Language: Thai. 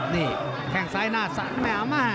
นี่แข่งซ้ายหน้า๓แหมวมาก